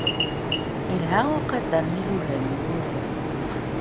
Ilha uqader n yilugan n wurar.